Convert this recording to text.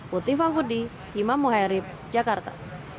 putih fahudi himam muhairib jakarta